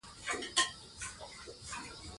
د هغو حیواناتو غوښې ډیرې خوږې دي،